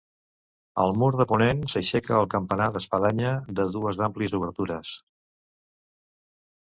Al mur de ponent s'aixeca el campanar d'espadanya de dues àmplies obertures.